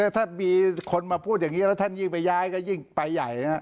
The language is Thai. ถ้ามีคนมาพูดอย่างนี้แล้วท่านยิ่งไปย้ายก็ยิ่งไปใหญ่นะครับ